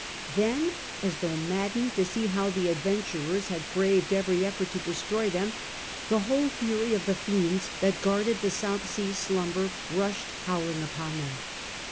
Then, as though maddened to see how the adventurers had braved every effort to destroy them, the whole fury of the fiends that guarded the South Sea's slumber rushed howling upon them.